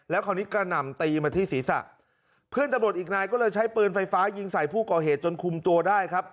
คราวนี้กระหน่ำตีมาที่ศีรษะเพื่อนตำรวจอีกนายก็เลยใช้ปืนไฟฟ้ายิงใส่ผู้ก่อเหตุจนคุมตัวได้ครับ